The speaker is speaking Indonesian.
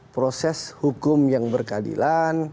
proses hukum yang berkeadilan